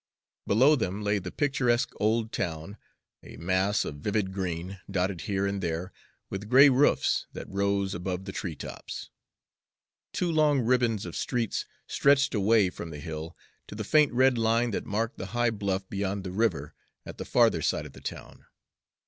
Below them lay the picturesque old town, a mass of vivid green, dotted here and there with gray roofs that rose above the tree tops. Two long ribbons of streets stretched away from the Hill to the faint red line that marked the high bluff beyond the river at the farther side of the town.